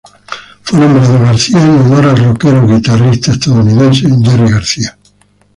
Fue nombrado Garcia en honor al rockero y guitarrista estadounidense Jerry García.